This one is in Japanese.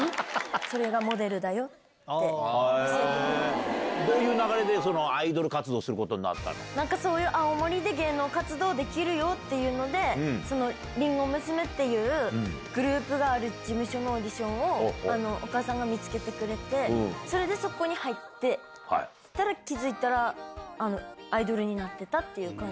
それがモデルだよって教えてどういう流れで、アイドル活なんかそういう、青森で芸能活動できるよっていうので、りんご娘っていうグループがある事務所のオーディションをお母さんが見つけてくれて、それでそこに入って、そしたら、気付いたら、アイドルになってたっていう感じ。